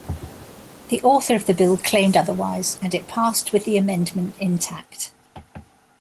The author of the bill claimed otherwise and it passed with the amendment intact.